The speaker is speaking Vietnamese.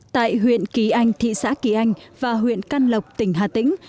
tại huyện kỳ anh thị xã kỳ anh và huyện căn lộc tỉnh hà tĩnh